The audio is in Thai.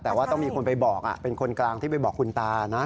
แต่ว่าต้องมีคนไปบอกเป็นคนกลางที่ไปบอกคุณตานะ